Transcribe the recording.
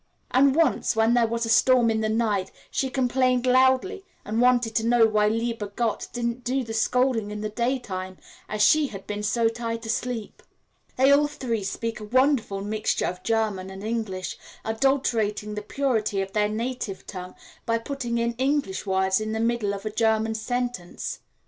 And once, when there was a storm in the night, she complained loudly, and wanted to know why lieber Gott didn't do the scolding in the daytime, as she had been so tight asleep. They all three speak a wonderful mixture of German and English, adulterating the purity of their native tongue by putting in English words in the middle of a German sentence.